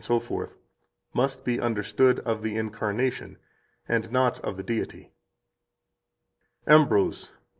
– must be understood of the incarnation, and not of the Deity." 47 AMBROSE, lib.